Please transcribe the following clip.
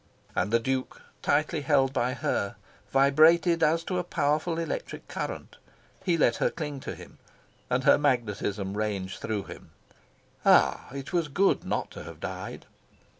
And the Duke, tightly held by her, vibrated as to a powerful electric current. He let her cling to him, and her magnetism range through him. Ah, it was good not to have died!